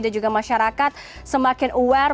dan juga masyarakat semakin aware